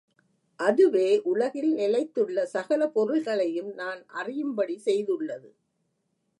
அதுவே உலகில் நிலைத்துள்ள சகல பொருள்களையும் நான் அறியும்படி செய்துள்ளது.